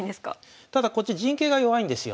ただこっち陣形が弱いんですよ。